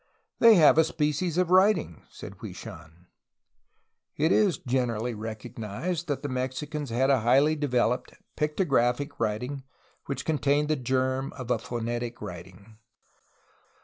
"They have a species of writing," said Hwui Shan. It is generally recognized that the Mexicans had a highly developed pictographic writing which contained the germ of a phonetic writing.